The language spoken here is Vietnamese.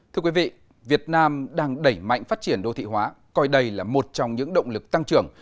thưa quý vị việt nam đang đẩy mạnh phát triển đô thị hóa coi đây là một trong những động lực tăng trưởng